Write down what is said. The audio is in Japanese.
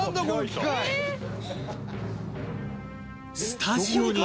スタジオに